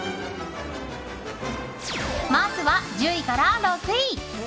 まずは１０位から６位。